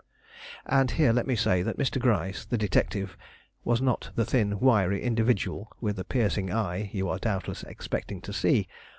And here let me say that Mr. Gryce, the detective, was not the thin, wiry individual with the piercing eye you are doubtless expecting to see.